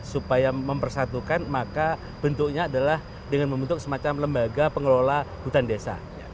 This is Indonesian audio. supaya mempersatukan maka bentuknya adalah dengan membentuk semacam lembaga pengelola hutan desa